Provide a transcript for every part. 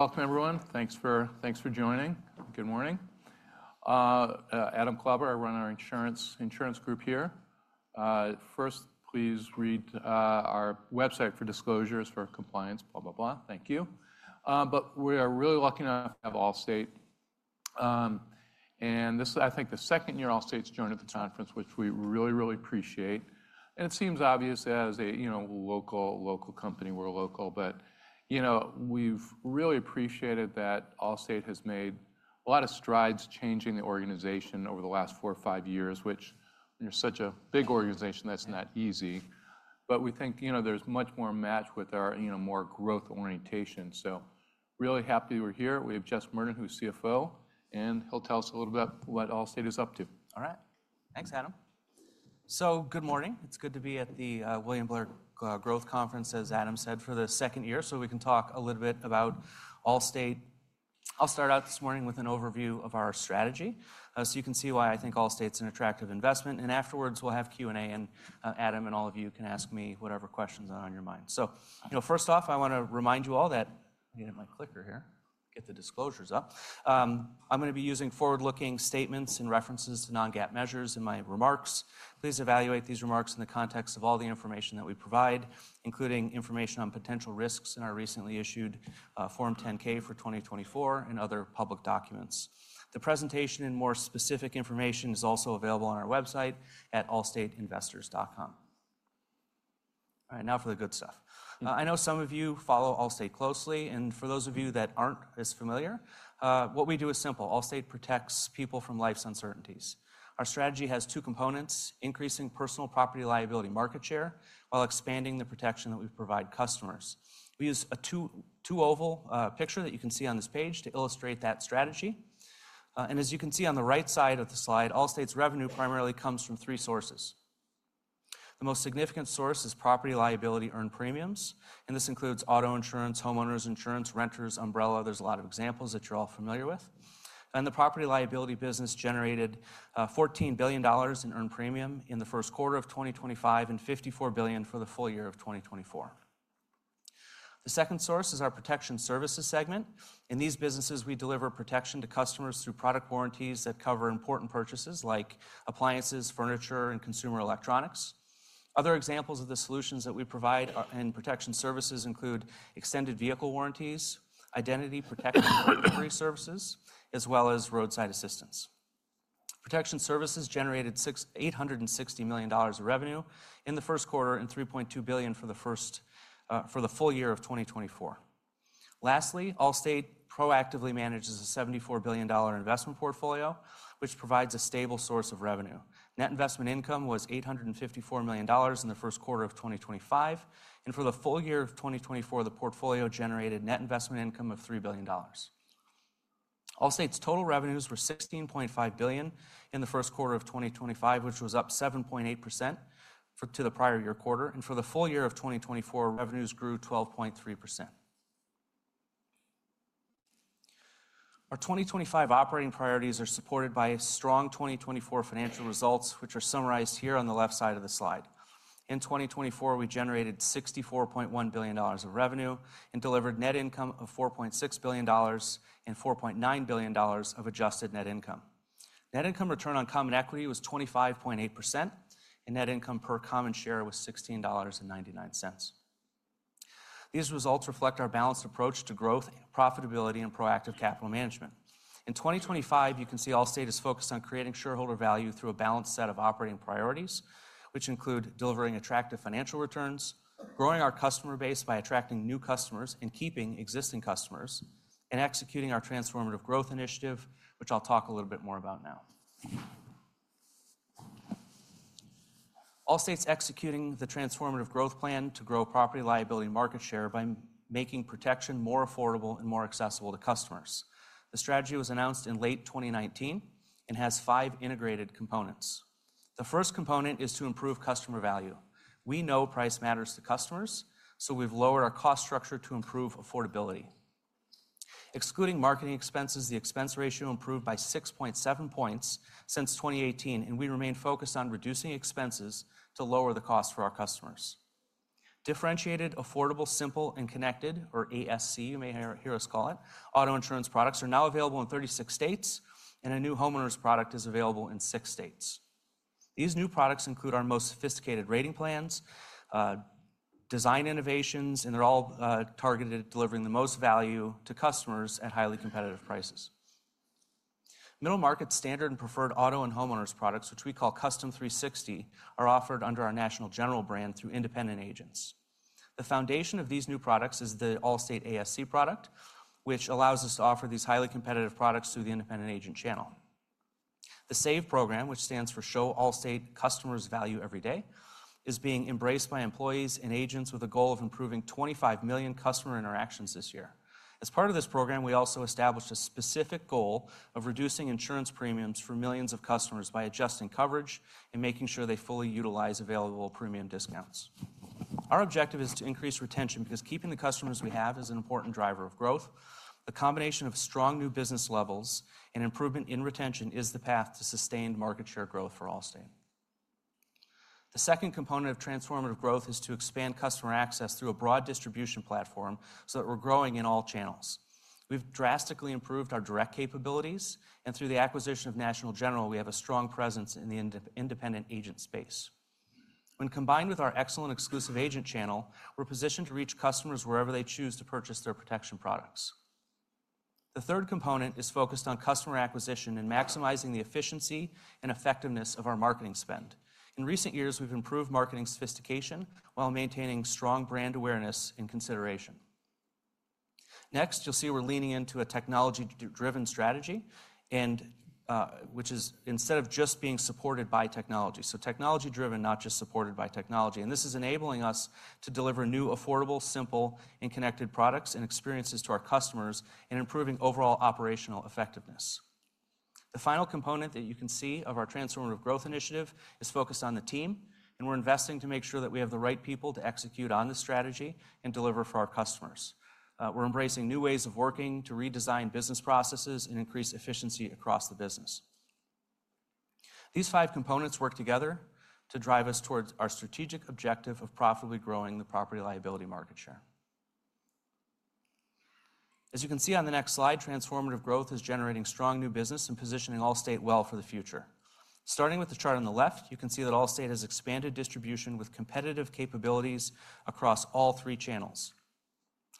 Welcome, everyone. Thanks for joining. Good morning. Adam Colbert, I run our insurance group here. First, please read our website for disclosures for compliance. Thank you. We are really lucky enough to have Allstate. This is, I think, the second year Allstate's joined at this conference, which we really, really appreciate. It seems obvious as a local company. We're local. We've really appreciated that Allstate has made a lot of strides changing the organization over the last four or five years, which, when you're such a big organization, that's not easy. We think there's much more matched with our more growth orientation. Really happy we're here. We have Jesse Merten, who's CFO, and he'll tell us a little bit about what Allstate is up to. All right. Thanks, Adam. Good morning. It is good to be at the William Blair Growth Conference, as Adam said, for the second year. We can talk a little bit about Allstate. I will start out this morning with an overview of our strategy so you can see why I think Allstate is an attractive investment. Afterwards, we will have Q&A, and Adam and all of you can ask me whatever questions are on your mind. First off, I want to remind you all that I need my clicker here. Get the disclosures up. I am going to be using forward-looking statements and references to non-GAAP measures in my remarks. Please evaluate these remarks in the context of all the information that we provide, including information on potential risks in our recently issued Form 10-K for 2024 and other public documents. The presentation and more specific information is also available on our website at allstateinvestors.com. All right, now for the good stuff. I know some of you follow Allstate closely. And for those of you that aren't as familiar, what we do is simple. Allstate protects people from life's uncertainties. Our strategy has two components: increasing personal property liability market share while expanding the protection that we provide customers. We use a two-oval picture that you can see on this page to illustrate that strategy. As you can see on the right side of the slide, Allstate's revenue primarily comes from three sources. The most significant source is property liability earned premiums. This includes auto insurance, homeowners insurance, renters, umbrella. There are a lot of examples that you're all familiar with. The property liability business generated $14 billion in earned premium in the first quarter of 2025 and $54 billion for the full year of 2024. The second source is our protection services segment. In these businesses, we deliver protection to customers through product warranties that cover important purchases like appliances, furniture, and consumer electronics. Other examples of the solutions that we provide in protection services include extended vehicle warranties, identity protection and delivery services, as well as roadside assistance. Protection services generated $860 million in revenue in the first quarter and $3.2 billion for the full year of 2024. Lastly, Allstate proactively manages a $74 billion investment portfolio, which provides a stable source of revenue. Net investment income was $854 million in the first quarter of 2025. For the full year of 2024, the portfolio generated net investment income of $3 billion. Allstate's total revenues were $16.5 billion in the first quarter of 2025, which was up 7.8% to the prior year quarter. For the full year of 2024, revenues grew 12.3%. Our 2025 operating priorities are supported by strong 2024 financial results, which are summarized here on the left side of the slide. In 2024, we generated $64.1 billion of revenue and delivered net income of $4.6 billion and $4.9 billion of adjusted net income. Net income return on common equity was 25.8%, and net income per common share was $16.99. These results reflect our balanced approach to growth, profitability, and proactive capital management. In 2025, you can see Allstate is focused on creating shareholder value through a balanced set of operating priorities, which include delivering attractive financial returns, growing our customer base by attracting new customers and keeping existing customers, and executing our transformative growth initiative, which I'll talk a little bit more about now. Allstate's executing the transformative growth plan to grow property liability market share by making protection more affordable and more accessible to customers. The strategy was announced in late 2019 and has five integrated components. The first component is to improve customer value. We know price matters to customers, so we've lowered our cost structure to improve affordability. Excluding marketing expenses, the expense ratio improved by 6.7 points since 2018, and we remain focused on reducing expenses to lower the cost for our customers. Differentiated, Affordable, Simple, and Connected, or ASC, you may hear us call it, auto insurance products are now available in 36 states, and a new homeowners product is available in six states. These new products include our most sophisticated rating plans, design innovations, and they're all targeted at delivering the most value to customers at highly competitive prices. Middle market standard and preferred auto and homeowners products, which we call Custom 360, are offered under our National General brand through independent agents. The foundation of these new products is the Allstate ASC product, which allows us to offer these highly competitive products through the independent agent channel. The save program, which stands for Show Allstate Customers Value Every Day, is being embraced by employees and agents with a goal of improving 25 million customer interactions this year. As part of this program, we also established a specific goal of reducing insurance premiums for millions of customers by adjusting coverage and making sure they fully utilize available premium discounts. Our objective is to increase retention because keeping the customers we have is an important driver of growth. The combination of strong new business levels and improvement in retention is the path to sustained market share growth for Allstate. The second component of transformative growth is to expand customer access through a broad distribution platform so that we're growing in all channels. We've drastically improved our direct capabilities, and through the acquisition of National General, we have a strong presence in the independent agent space. When combined with our excellent exclusive agent channel, we're positioned to reach customers wherever they choose to purchase their protection products. The third component is focused on customer acquisition and maximizing the efficiency and effectiveness of our marketing spend. In recent years, we've improved marketing sophistication while maintaining strong brand awareness and consideration. Next, you'll see we're leaning into a technology-driven strategy, which is instead of just being supported by technology. So technology-driven, not just supported by technology. This is enabling us to deliver new, affordable, simple, and connected products and experiences to our customers and improving overall operational effectiveness. The final component that you can see of our transformative growth initiative is focused on the team, and we're investing to make sure that we have the right people to execute on the strategy and deliver for our customers. We're embracing new ways of working to redesign business processes and increase efficiency across the business. These five components work together to drive us towards our strategic objective of profitably growing the property liability market share. As you can see on the next slide, transformative growth is generating strong new business and positioning Allstate well for the future. Starting with the chart on the left, you can see that Allstate has expanded distribution with competitive capabilities across all three channels.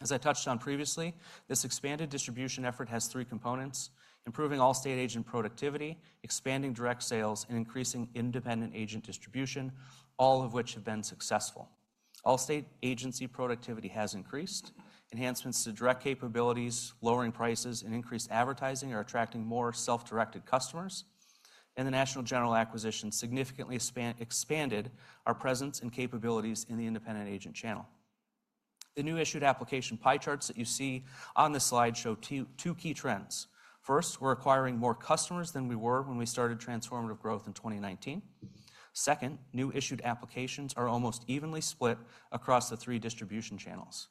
As I touched on previously, this expanded distribution effort has three components: improving Allstate agent productivity, expanding direct sales, and increasing independent agent distribution, all of which have been successful. Allstate agency productivity has increased. Enhancements to direct capabilities, lowering prices, and increased advertising are attracting more self-directed customers. The National General acquisition significantly expanded our presence and capabilities in the independent agent channel. The new issued application pie charts that you see on the slide show two key trends. First, we're acquiring more customers than we were when we started transformative growth in 2019. Second, new issued applications are almost evenly split across the three distribution channels.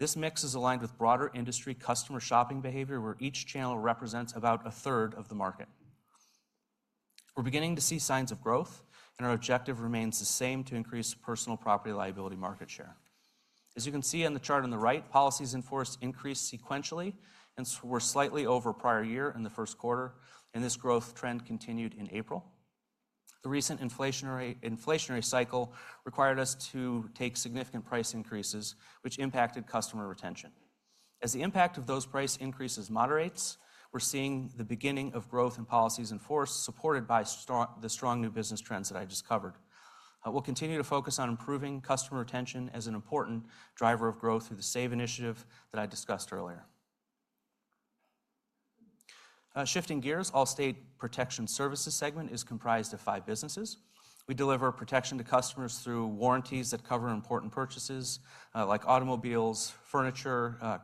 This mix is aligned with broader industry customer shopping behavior, where each channel represents about a third of the market. We're beginning to see signs of growth, and our objective remains the same: to increase personal property liability market share. As you can see on the chart on the right, policies in force increased sequentially and were slightly over prior year in the first quarter. This growth trend continued in April. The recent inflationary cycle required us to take significant price increases, which impacted customer retention. As the impact of those price increases moderates, we're seeing the beginning of growth in policies in force, supported by the strong new business trends that I just covered. We'll continue to focus on improving customer retention as an important driver of growth through the save initiative that I discussed earlier. Shifting gears, Allstate Protection Services segment is comprised of five businesses. We deliver protection to customers through warranties that cover important purchases like automobiles, furniture,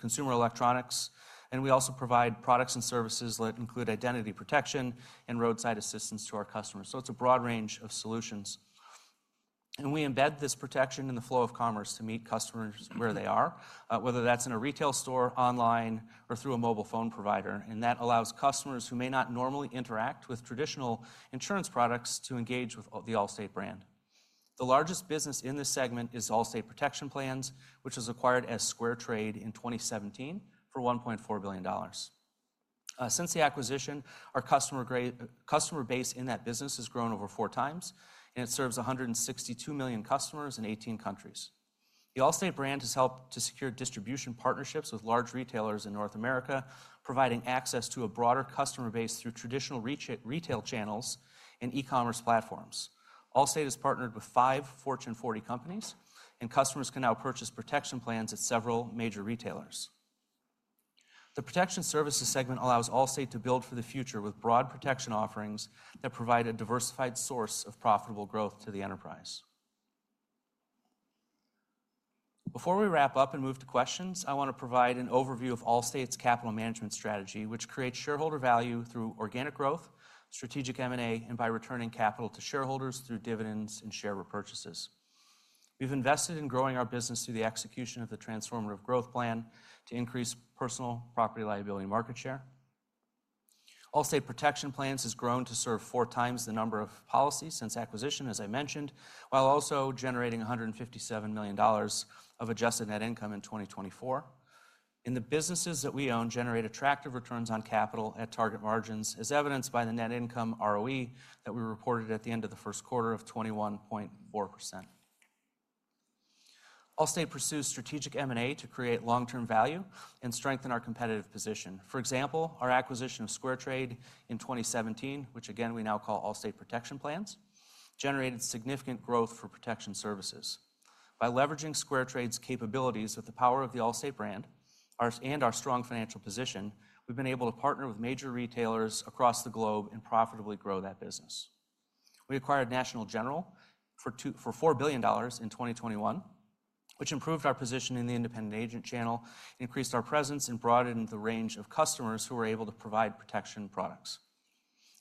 consumer electronics. We also provide products and services that include identity protection and roadside assistance to our customers. It is a broad range of solutions. We embed this protection in the flow of commerce to meet customers where they are, whether that is in a retail store, online, or through a mobile phone provider. That allows customers who may not normally interact with traditional insurance products to engage with the Allstate brand. The largest business in this segment is Allstate Protection Plans, which was acquired as SquareTrade in 2017 for $1.4 billion. Since the acquisition, our customer base in that business has grown over four times, and it serves 162 million customers in 18 countries. The Allstate brand has helped to secure distribution partnerships with large retailers in North America, providing access to a broader customer base through traditional retail channels and e-commerce platforms. Allstate has partnered with five Fortune 40 companies, and customers can now purchase protection plans at several major retailers. The protection services segment allows Allstate to build for the future with broad protection offerings that provide a diversified source of profitable growth to the enterprise. Before we wrap up and move to questions, I want to provide an overview of Allstate's capital management strategy, which creates shareholder value through organic growth, strategic M&A, and by returning capital to shareholders through dividends and share repurchases. We've invested in growing our business through the execution of the transformative growth plan to increase personal property-liability market share. Allstate Protection Plans has grown to serve four times the number of policies since acquisition, as I mentioned, while also generating $157 million of adjusted net income in 2024. The businesses that we own generate attractive returns on capital at target margins, as evidenced by the net income ROE that we reported at the end of the first quarter of 21.4%. Allstate pursues strategic M&A to create long-term value and strengthen our competitive position. For example, our acquisition of SquareTrade in 2017, which again, we now call Allstate Protection Plans, generated significant growth for protection services. By leveraging SquareTrade's capabilities with the power of the Allstate brand and our strong financial position, we've been able to partner with major retailers across the globe and profitably grow that business. We acquired National General for $4 billion in 2021, which improved our position in the independent agent channel, increased our presence, and broadened the range of customers who were able to provide protection products.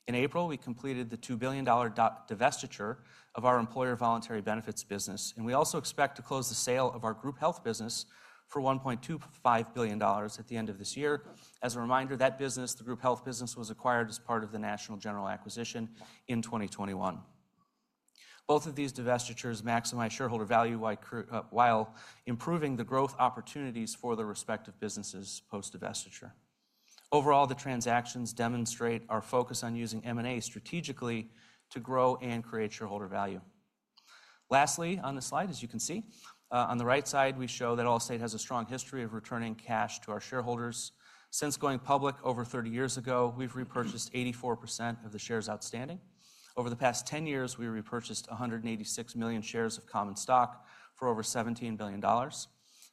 In April, we completed the $2 billion divestiture of our employer voluntary benefits business. We also expect to close the sale of our group health business for $1.25 billion at the end of this year. As a reminder, that business, the group health business, was acquired as part of the National General acquisition in 2021. Both of these divestitures maximize shareholder value while improving the growth opportunities for the respective businesses post-divestiture. Overall, the transactions demonstrate our focus on using M&A strategically to grow and create shareholder value. Lastly, on the slide, as you can see, on the right side, we show that Allstate has a strong history of returning cash to our shareholders. Since going public over 30 years ago, we've repurchased 84% of the shares outstanding. Over the past 10 years, we repurchased 186 million shares of common stock for over $17 billion,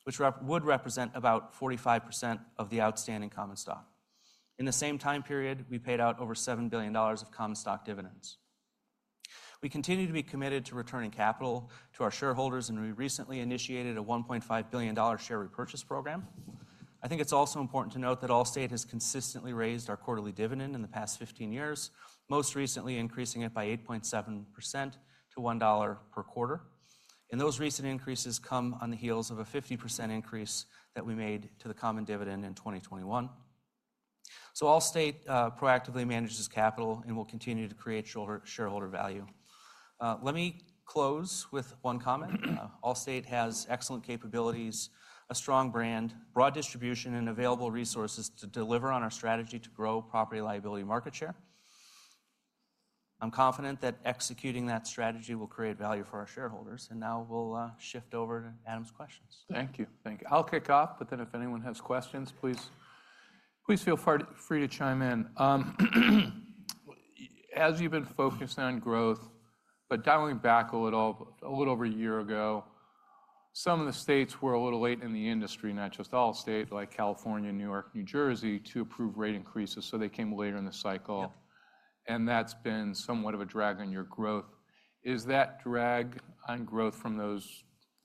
which would represent about 45% of the outstanding common stock. In the same time period, we paid out over $7 billion of common stock dividends. We continue to be committed to returning capital to our shareholders, and we recently initiated a $1.5 billion share repurchase program. I think it's also important to note that Allstate has consistently raised our quarterly dividend in the past 15 years, most recently increasing it by 8.7% to $1 per quarter. Those recent increases come on the heels of a 50% increase that we made to the common dividend in 2021. Allstate proactively manages capital and will continue to create shareholder value. Let me close with one comment. Allstate has excellent capabilities, a strong brand, broad distribution, and available resources to deliver on our strategy to grow property liability market share. I'm confident that executing that strategy will create value for our shareholders. Now we'll shift over to Adam's questions. Thank you. Thank you. I'll kick off, but then if anyone has questions, please feel free to chime in. As you've been focused on growth, but dialing back a little over a year ago, some of the states were a little late in the industry, not just Allstate, like California, New York, New Jersey, to approve rate increases. They came later in the cycle. That has been somewhat of a drag on your growth. Is that drag on growth from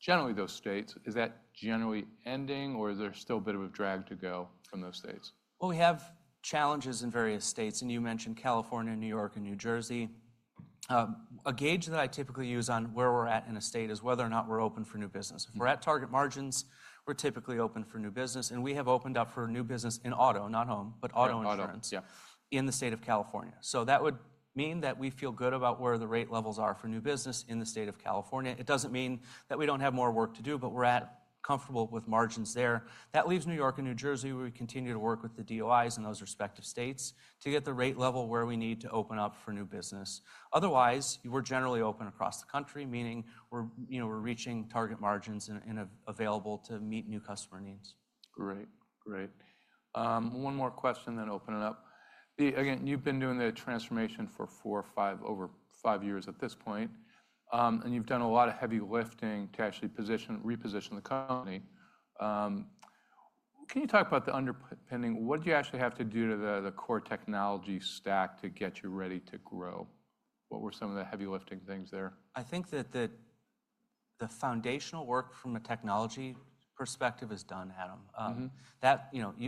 generally those states, is that generally ending, or is there still a bit of a drag to go from those states? We have challenges in various states, and you mentioned California, New York, and New Jersey. A gauge that I typically use on where we're at in a state is whether or not we're open for new business. If we're at target margins, we're typically open for new business. We have opened up for new business in auto, not home, but auto insurance in the state of California. That would mean that we feel good about where the rate levels are for new business in the state of California. It doesn't mean that we don't have more work to do, but we're comfortable with margins there. That leaves New York and New Jersey, where we continue to work with the DOIs in those respective states to get the rate level where we need to open up for new business. Otherwise, we're generally open across the country, meaning we're reaching target margins and available to meet new customer needs. Great. Great. One more question then opening up. Again, you've been doing the transformation for over five years at this point, and you've done a lot of heavy lifting to actually reposition the company. Can you talk about the underpinning? What did you actually have to do to the core technology stack to get you ready to grow? What were some of the heavy lifting things there? I think that the foundational work from a technology perspective is done, Adam.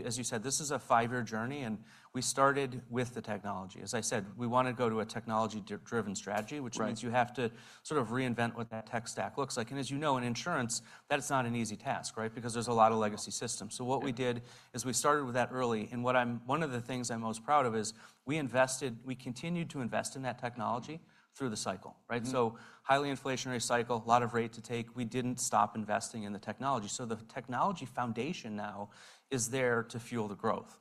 As you said, this is a Five-year journey, and we started with the technology. As I said, we wanted to go to a technology-driven strategy, which means you have to sort of reinvent what that tech stack looks like. As you know, in insurance, that's not an easy task, right? Because there's a lot of legacy systems. What we did is we started with that early. One of the things I'm most proud of is we invested, we continued to invest in that technology through the cycle, right? Highly inflationary cycle, a lot of rate to take. We didn't stop investing in the technology. The technology foundation now is there to fuel the growth.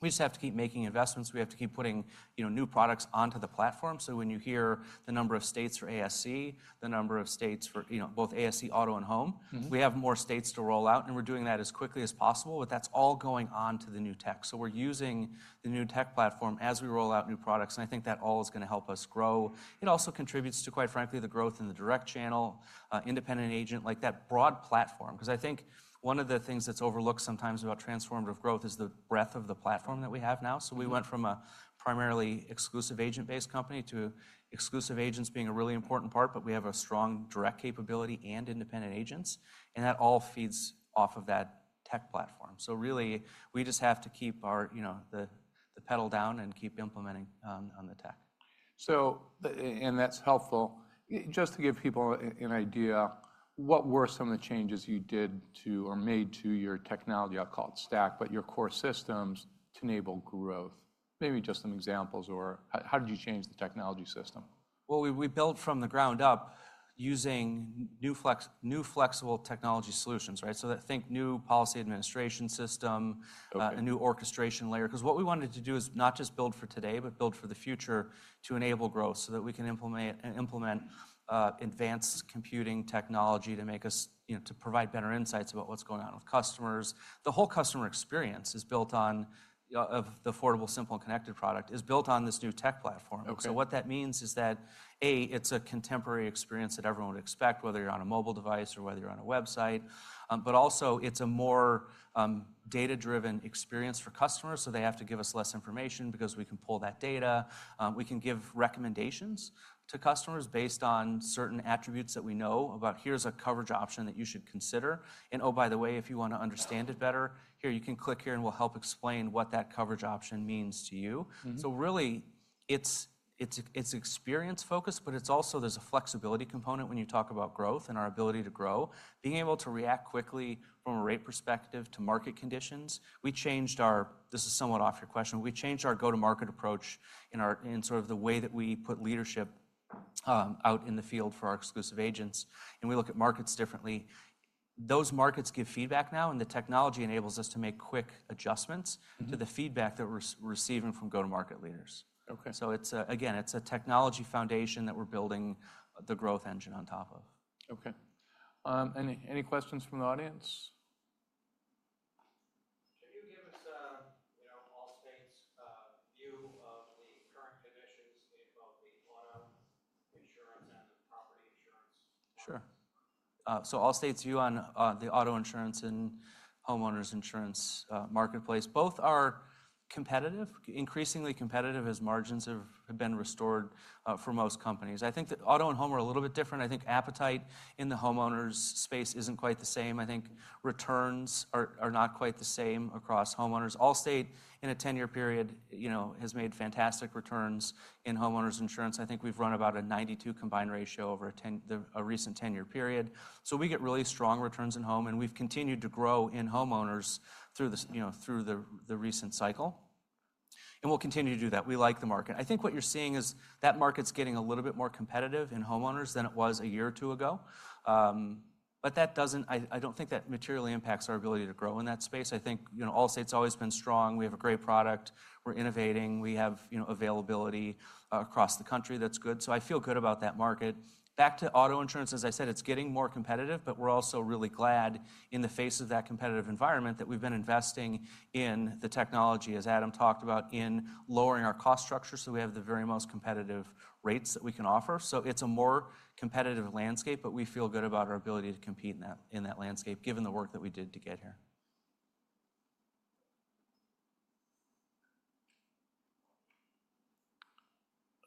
We just have to keep making investments. We have to keep putting new products onto the platform. When you hear the number of states for ASC, the number of states for both ASC, auto, and home, we have more states to roll out, and we're doing that as quickly as possible. That's all going on to the new tech. We're using the new tech platform as we roll out new products. I think that all is going to help us grow. It also contributes to, quite frankly, the growth in the direct channel, independent agent, like that broad platform. I think one of the things that's overlooked sometimes about transformative growth is the breadth of the platform that we have now. We went from a primarily exclusive agent-based company to exclusive agents being a really important part, but we have a strong direct capability and independent agents. That all feeds off of that tech platform. We just have to keep the pedal down and keep implementing on the tech. That is helpful. Just to give people an idea, what were some of the changes you did or made to your technology, I'll call it stack, but your core systems to enable growth? Maybe just some examples or how did you change the technology system? We built from the ground up using new flexible technology solutions, right? I think new policy administration system, a new orchestration layer. What we wanted to do is not just build for today, but build for the future to enable growth so that we can implement advanced computing technology to provide better insights about what's going on with customers. The whole customer experience is built on the affordable, simple, and connected product, is built on this new tech platform. What that means is that, A, it's a contemporary experience that everyone would expect, whether you're on a mobile device or whether you're on a website. Also, it's a more data-driven experience for customers. They have to give us less information because we can pull that data. We can give recommendations to customers based on certain attributes that we know about, "Here's a coverage option that you should consider." Oh, by the way, if you want to understand it better, here, you can click here and we'll help explain what that coverage option means to you. It is Experience-focused, but also there's a flexibility component when you talk about growth and our ability to grow. Being able to react quickly from a rate perspective to market conditions. This is somewhat off your question. We changed our go-to-market approach in the way that we put leadership out in the field for our exclusive agents. We look at markets differently. Those markets give feedback now, and the technology enables us to make quick adjustments to the feedback that we're receiving from go-to-market leaders. Again, it's a technology foundation that we're building the growth engine on top of. Okay. Any questions from the audience? Can you give us Allstate's view of the current conditions of the auto insurance and the property insurance? Sure. Allstate's view on the auto insurance and homeowners insurance marketplace. Both are competitive, increasingly competitive as margins have been restored for most companies. I think that auto and home are a little bit different. I think appetite in the homeowners space isn't quite the same. I think returns are not quite the same across homeowners. Allstate, in a 10-year period, has made fantastic returns in homeowners insurance. I think we've run about a 92 combined ratio over a recent 10-year period. We get really strong returns in home, and we've continued to grow in homeowners through the recent cycle. We'll continue to do that. We like the market. I think what you're seeing is that market's getting a little bit more competitive in homeowners than it was a year or two ago. I don't think that materially impacts our ability to grow in that space. I think Allstate's always been strong. We have a great product. We're innovating. We have availability across the country that's good. I feel good about that market. Back to auto insurance, as I said, it's getting more competitive, but we're also really glad in the face of that competitive environment that we've been investing in the technology, as Adam talked about, in lowering our cost structure so we have the very most competitive rates that we can offer. It's a more competitive landscape, but we feel good about our ability to compete in that landscape, given the work that we did to get here.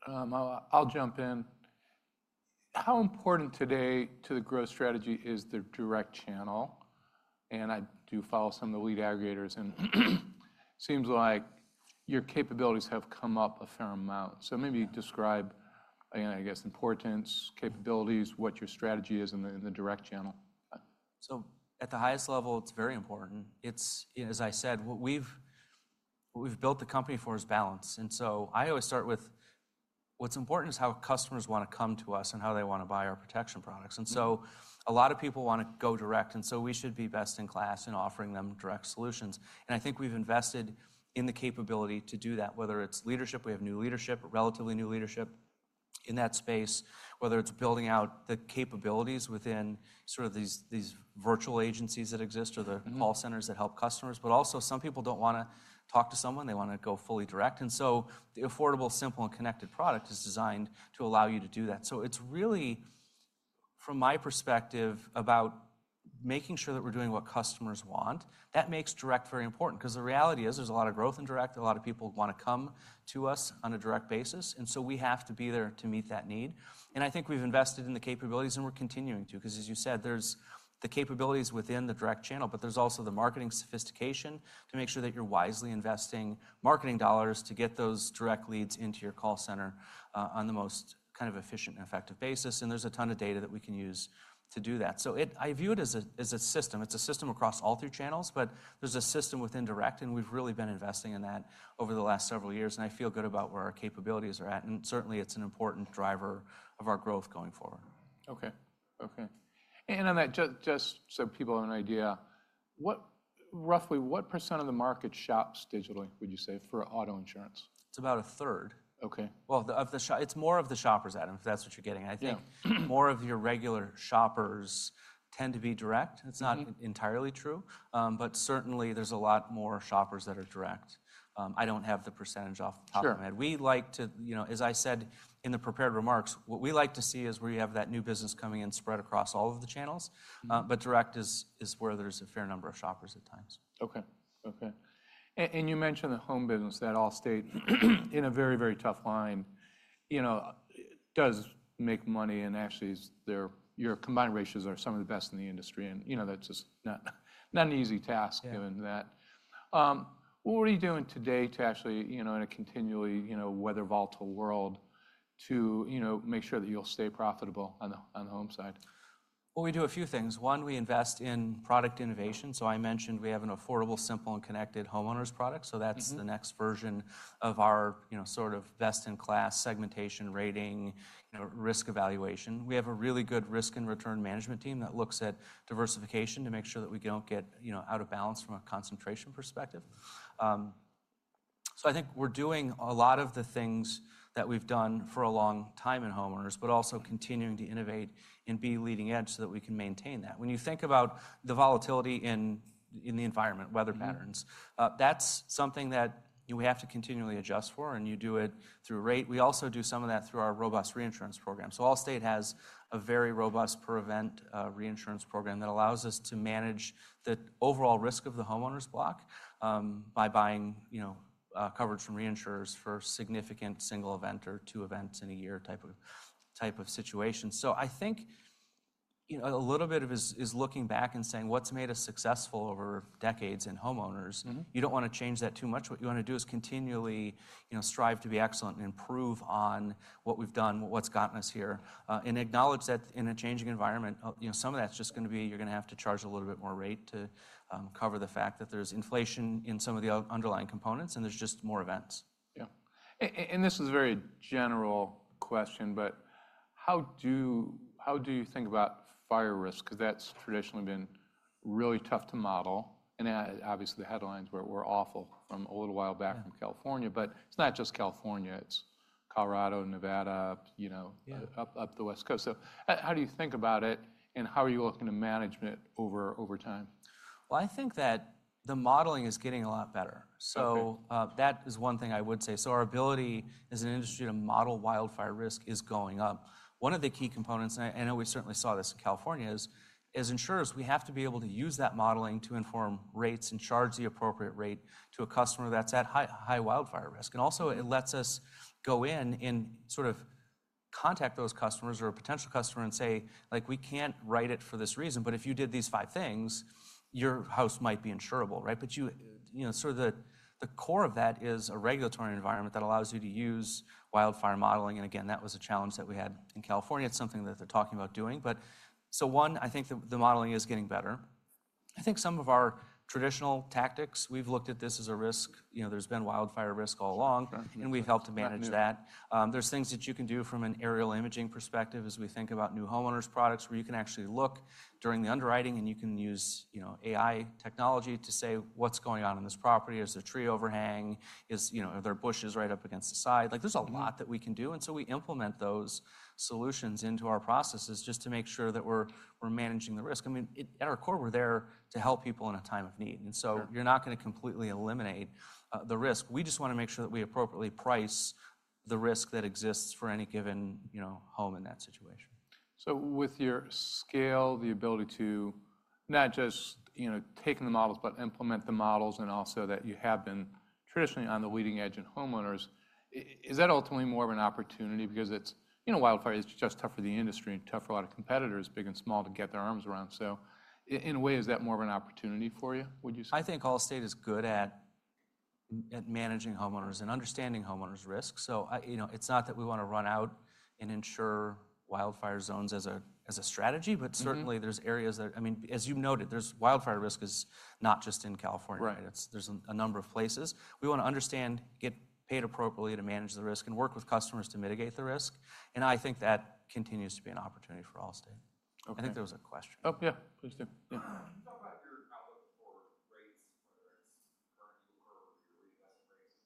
I'll jump in. How important today to the growth strategy is the direct channel? I do follow some of the lead aggregators, and it seems like your capabilities have come up a fair amount. Maybe describe, I guess, importance, capabilities, what your strategy is in the direct channel. At the highest level, it's very important. As I said, what we've built the company for is balance. I always start with what's important, which is how customers want to come to us and how they want to buy our protection products. A lot of people want to go direct, and we should be best in class in offering them direct solutions. I think we've invested in the capability to do that, whether it's leadership. We have new leadership, relatively new leadership in that space, whether it's building out the capabilities within sort of these virtual agencies that exist or the call centers that help customers. Also, some people don't want to talk to someone. They want to go fully direct, and the affordable, simple, and connected product is designed to allow you to do that. It is really, from my perspective, about making sure that we are doing what customers want. That makes direct very important. Because the reality is there is a lot of growth in direct. A lot of people want to come to us on a direct basis. We have to be there to meet that need. I think we have invested in the capabilities, and we are continuing to. Because as you said, there are the capabilities within the direct channel, but there is also the marketing sophistication to make sure that you are wisely investing marketing dollars to get those direct leads into your call center on the most kind of efficient and effective basis. There is a ton of data that we can use to do that. I view it as a system. It's a system across all three channels, but there's a system within direct, and we've really been investing in that over the last several years. I feel good about where our capabilities are at. Certainly, it's an important driver of our growth going forward. Okay. Okay. On that, just so people have an idea, roughly what % of the market shops digitally, would you say, for auto insurance? It's about a third. Ok, It's more of the shoppers, Adam, if that's what you're getting. I think more of your regular shoppers tend to be direct. It's not entirely true. Certainly, there's a lot more shoppers that are direct. I don't have the percentage off the top of my head. As I said in the prepared remarks, what we like to see is where you have that new business coming in spread across all of the channels. Direct is where there's a fair number of shoppers at times. Okay. Okay. You mentioned the home business that Allstate, in a very, very tough line, does make money and actually your combined ratios are some of the best in the industry. That is just not an easy task given that. What are you doing today to actually, in a continually weather-volatile world, to make sure that you'll stay profitable on the home side? We do a few things. One, we invest in product innovation. I mentioned we have an affordable, simple, and connected homeowners product. That is the next version of our sort of best-in-class segmentation, rating, risk evaluation. We have a really good risk and return management team that looks at diversification to make sure that we do not get out of balance from a concentration perspective. I think we are doing a lot of the things that we have done for a long time in homeowners, but also continuing to innovate and be leading edge so that we can maintain that. When you think about the volatility in the environment, weather patterns, that is something that we have to continually adjust for, and you do it through rate. We also do some of that through our robust reinsurance program. Allstate has a very robust per-event reinsurance program that allows us to manage the overall risk of the homeowners block by buying coverage from reinsurers for significant single event or two events in a year type of situation. I think a little bit of it is looking back and saying, "What's made us successful over decades in homeowners?" You don't want to change that too much. What you want to do is continually strive to be excellent and improve on what we've done, what's gotten us here, and acknowledge that in a changing environment, some of that's just going to be you're going to have to charge a little bit more rate to cover the fact that there's inflation in some of the underlying components, and there's just more events. Yeah. This is a very general question, but how do you think about fire risk? Because that's traditionally been really tough to model. Obviously, the headlines were awful a little while back from California. It's not just California. It's Colorado, Nevada, up the West Coast. How do you think about it, and how are you looking to manage it over time? I think that the modeling is getting a lot better. That is one thing I would say. Our ability as an industry to model wildfire risk is going up. One of the key components, and I know we certainly saw this in California, is as insurers, we have to be able to use that modeling to inform rates and charge the appropriate rate to a customer that's at high wildfire risk. It also lets us go in and sort of contact those customers or potential customers and say, "We can't write it for this reason, but if you did these five things, your house might be insurable," right? The core of that is a regulatory environment that allows you to use wildfire modeling. That was a challenge that we had in California. It's something that they're talking about doing. One, I think the modeling is getting better. I think some of our traditional tactics, we've looked at this as a risk. There's been wildfire risk all along, and we've helped to manage that. There are things that you can do from an aerial imaging perspective as we think about new homeowners products where you can actually look during the underwriting, and you can use AI technology to say, "What's going on in this property? Is there tree overhang? Are there bushes right up against the side?" There's a lot that we can do. We implement those solutions into our processes just to make sure that we're managing the risk. I mean, at our core, we're there to help people in a time of need. You're not going to completely eliminate the risk. We just want to make sure that we appropriately price the risk that exists for any given home in that situation. With your scale, the ability to not just take the models, but implement the models, and also that you have been traditionally on the leading edge in homeowners, is that ultimately more of an opportunity? Because wildfire is just tough for the industry and tough for a lot of competitors, big and small, to get their arms around. In a way, is that more of an opportunity for you, would you say? I think Allstate is good at managing homeowners and understanding homeowners' risk. It is not that we want to run out and insure wildfire zones as a strategy, but certainly, there are areas that, I mean, as you have noted, wildfire risk is not just in California. There are a number of places. We want to understand, get paid appropriately to manage the risk, and work with customers to mitigate the risk. I think that continues to be an opportunity for Allstate. I think that was a question. Oh, yeah. Please do. Yeah. Can you talk about your outlook for rates, whether it's current or your reinvestment rates?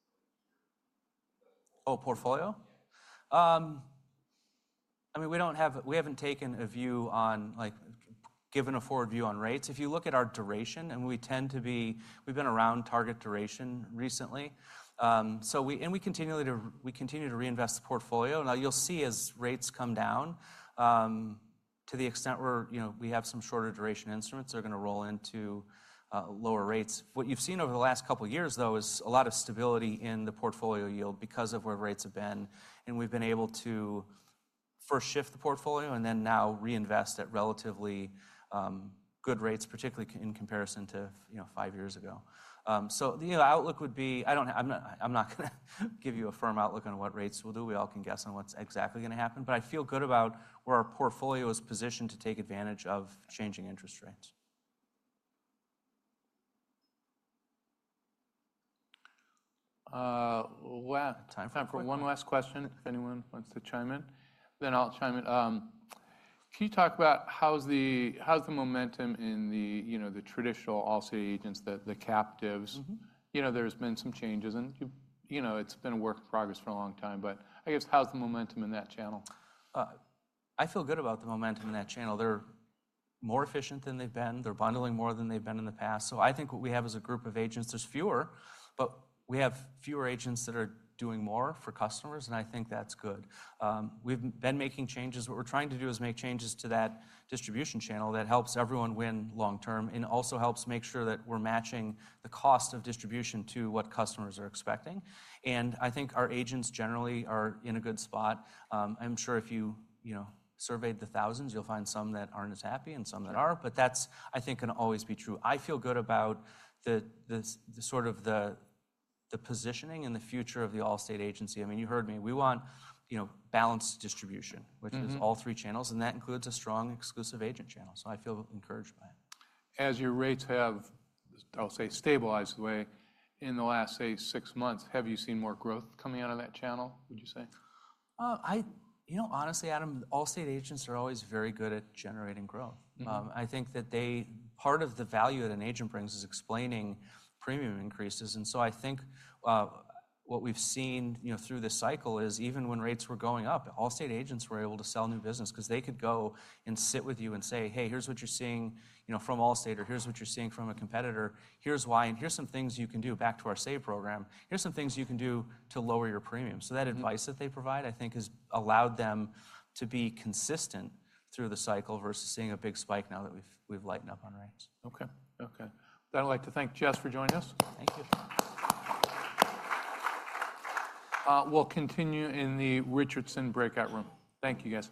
Oh, portfolio? Yeah. I mean, we haven't taken a view on given a forward view on rates. If you look at our duration, and we tend to be we've been around target duration recently. We continue to reinvest the portfolio. Now, you'll see as rates come down to the extent where we have some shorter duration instruments, they're going to roll into lower rates. What you've seen over the last couple of years, though, is a lot of stability in the portfolio yield because of where rates have been. We've been able to first shift the portfolio and then now reinvest at relatively good rates, particularly in comparison to five years ago. The outlook would be I'm not going to give you a firm outlook on what rates will do. We all can guess on what's exactly going to happen. I feel good about where our portfolio is positioned to take advantage of changing interest rates. Wow. Time for one last question, if anyone wants to chime in. Then I'll chime in. Can you talk about how's the momentum in the traditional Allstate agents, the captives? There's been some changes, and it's been a work in progress for a long time. I guess, how's the momentum in that channel? I feel good about the momentum in that channel. They're more efficient than they've been. They're bundling more than they've been in the past. I think what we have is a group of agents. There's fewer, but we have fewer agents that are doing more for customers, and I think that's good. We've been making changes. What we're trying to do is make changes to that distribution channel that helps everyone win long-term and also helps make sure that we're matching the cost of distribution to what customers are expecting. I think our agents generally are in a good spot. I'm sure if you surveyed the thousands, you'll find some that aren't as happy and some that are. That's, I think, going to always be true. I feel good about sort of the positioning and the future of the Allstate agency. I mean, you heard me. We want balanced distribution, which is all three channels. That includes a strong exclusive agent channel. I feel encouraged by it. As your rates have, I'll say, stabilized away in the last, say, six months, have you seen more growth coming out of that channel, would you say? Honestly, Adam, Allstate agents are always very good at generating growth. I think that part of the value that an agent brings is explaining premium increases. I think what we have seen through this cycle is even when rates were going up, Allstate agents were able to sell new business because they could go and sit with you and say, "Hey, here is what you are seeing from Allstate," or, "Here is what you are seeing from a competitor. Here is why. Here are some things you can do back to our save program. Here are some things you can do to lower your premium." That advice that they provide, I think, has allowed them to be consistent through the cycle versus seeing a big spike now that we have lightened up on rates. Okay. Okay. Then I'd like to thank Jess for joining us. Thank you. We'll continue in the Richardson breakout room. Thank you, Jess.